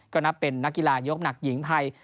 ก็นับเป็นนักกีฬายกหนักหญิงไทย